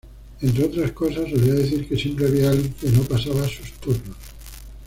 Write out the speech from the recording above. Entre otras cosas, solía decir que siempre había alguien que no pasaba sus turnos.